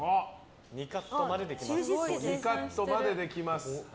２カットまでできます。